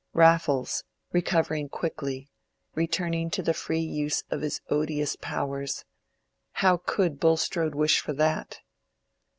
Raffles, recovering quickly, returning to the free use of his odious powers—how could Bulstrode wish for that?